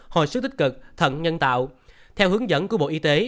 hồi sức tích cực thận nhân tạo theo hướng dẫn của bộ y tế